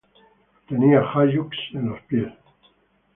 Tenía hallux en los pies.